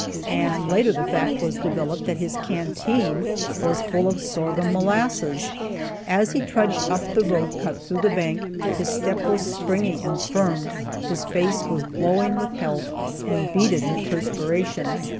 And later the fact was developed that his canteen was full of sorghum molasses. As he trudged up the road cut through the bank, his step was springy and firm, his face was glowing with health, and beaded with perspiration.